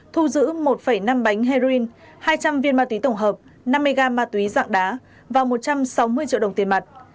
thu giữ một năm bánh heroin hai trăm linh viên ma túy tổng hợp năm mươi gam ma túy dạng đá và một trăm sáu mươi triệu đồng tiền mặt